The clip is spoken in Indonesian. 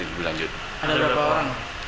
ada berapa orang